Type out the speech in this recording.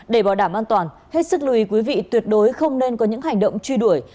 để bảo đảm an toàn hết sức lùi quý vị tuyệt đối không nên có những hành động truy đuổi